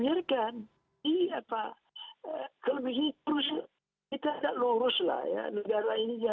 negara ini jangan diobok obok sebentar terlalu lama